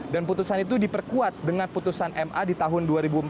dan putusan itu diperkuat dengan putusan ma di tahun dua ribu empat belas